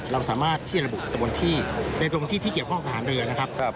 เราสามารถที่จะระบุจำนวนที่ในตรงที่ที่เกี่ยวข้องทหารเรือนะครับ